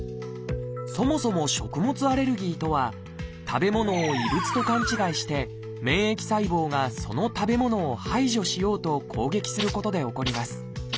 そもそも「食物アレルギー」とは食べ物を異物と勘違いして免疫細胞がその食べ物を排除しようと攻撃することで起こります。